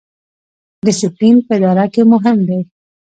ډیسپلین په اداره کې مهم دی